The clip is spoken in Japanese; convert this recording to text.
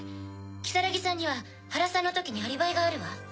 如月さんには原さんの時にアリバイがあるわ。